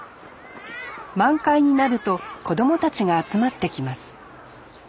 満開になると子どもたちが集まってきます